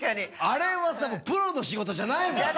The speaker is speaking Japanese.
あれはプロの仕事じゃないもん。